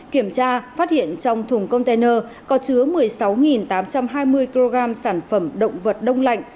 kiểm tra phát hiện trong thùng container có chứa một mươi sáu tám trăm hai mươi kg sản phẩm động vật đông lạnh